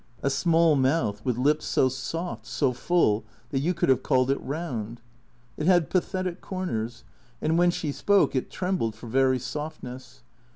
A small mouth, with lips so soft, so full, that you could have called it round. It had pathetic corners, and when she spoke it trembled for very softness.